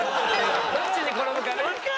どっちに転ぶかね。